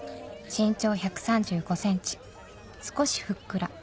「身長１３５ｃｍ少しふっくら」